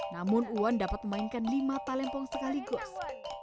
namun wan dapat memainkan lima talempong sekaligus